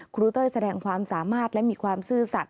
เต้ยแสดงความสามารถและมีความซื่อสัตว